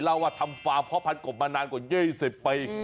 เล่าว่าทำฟาร์มเพาะพันธุ์กบมานานกว่าเย้เสร็จไป